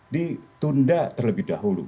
ditunda terlebih dahulu